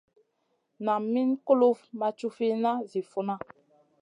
Nam Min kulufn ma cufina zi funa.